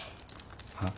はっ？